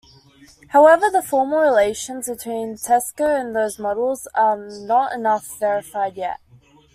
However the formal relations between Teisco and these models are not enough verified yet.